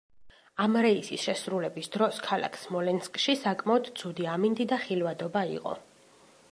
ამ რეისის შესრულების დროს ქალაქ სმოლენსკში საკმაოდ ცუდი ამინდი და ხილვადობა იყო.